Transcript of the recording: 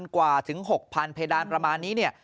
กว่าถึง๖๐๐เพดานประมาณนี้เนี่ย